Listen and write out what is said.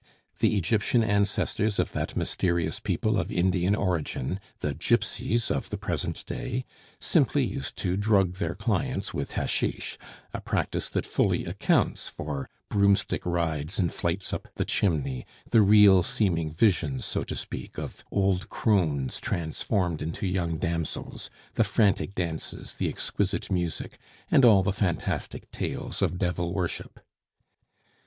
The Egyptian ancestors of that mysterious people of Indian origin, the gypsies of the present day, simply used to drug their clients with hashish, a practice that fully accounts for broomstick rides and flights up the chimney, the real seeming visions, so to speak, of old crones transformed into young damsels, the frantic dances, the exquisite music, and all the fantastic tales of devil worship.